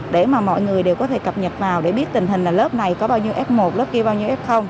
để mà mọi người đều có thể cập nhật vào để biết tình hình là lớp này có bao nhiêu f một lớp kia bao nhiêu f